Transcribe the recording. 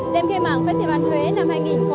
đêm khai mạng festival huế năm hai nghìn hai mươi hai